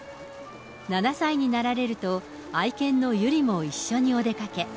７歳になられると、愛犬の由莉も一緒にお出かけ。